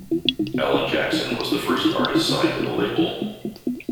Alan Jackson was the first artist signed to the label.